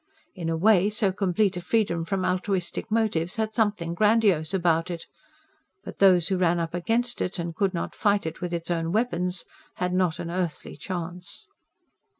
In a way, so complete a freedom from altruistic motives had something grandiose about it. But those who ran up against it, and could not fight it with its own weapons, had not an earthly chance.